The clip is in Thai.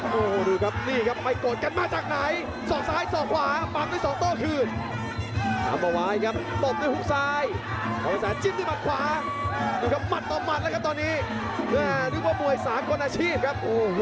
ตบมัดแล้วก็ตอนนี้นึกว่ามุย๓คนอาชีพครับ